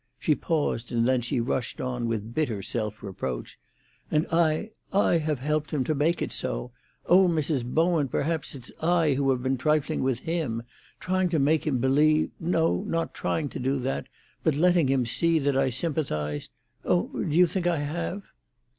She paused, and then she rushed on with bitter self reproach. "And I—I have helped to make it so! O Mrs. Bowen, perhaps it's I who have been trifling with him. Trying to make him believe—no, not trying to do that, but letting him see that I sympathised—Oh, do you think I have?"